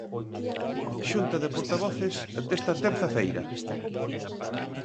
Xunta de portavoces desta terza feira.